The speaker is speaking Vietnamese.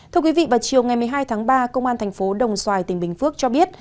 thưa quý vị vào chiều ngày một mươi hai tháng ba công an thành phố đồng xoài tỉnh bình phước cho biết